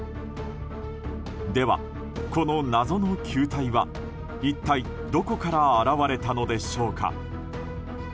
では、この謎の球体は一体どこから現れたのでしょうか。